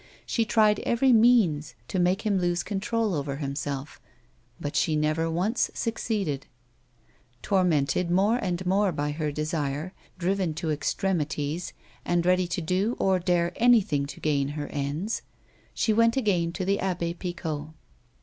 She tried every means to make him lose control over himself, but she never once succeeded. A WOMAN'S LIFE. 169 Tormented more and more by her desire, driven to ex tremities, and ready to do or dare anything to gain her ends, she went again to the Abb6 Picot.